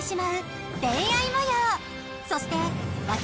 そして。